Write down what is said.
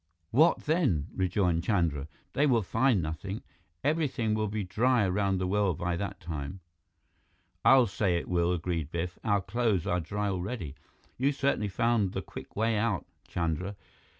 "What then?" rejoined Chandra. "They will find nothing. Everything will be dry around the well by that time." "I'll say it will," agreed Biff. "Our clothes are dry already. You certainly found the quick way out, Chandra."